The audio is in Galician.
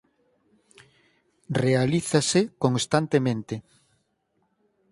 Realízase constantemente.